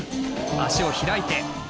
足を開いて回る！